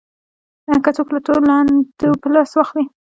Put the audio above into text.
که څوک له توندلاریتوبه لاس واخلي.